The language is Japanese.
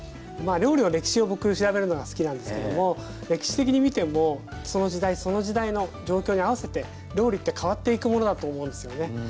料理の歴史を僕調べるのが好きなんですけども歴史的に見てもその時代その時代の状況に合わせて料理って変わっていくものだと思うんですよね。